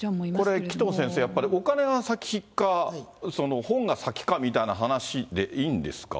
これ紀藤先生、やっぱりお金が先か、本が先かみたいな話でいいんですか？